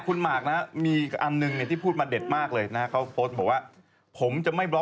ก็อยากมีสี่คนเดี๋ยวเรามาฟังว่าทำไมอย่างนี้สี่